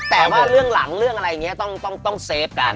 แต่ว่าเรื่องหลังเรื่องอะไรอย่างนี้ต้องเซฟกัน